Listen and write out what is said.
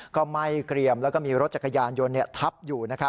ก็ไหม้เกรียมแล้วก็มีรถจักรยานยนต์ทับอยู่